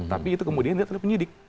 tapi itu kemudian dia terlihat penyidik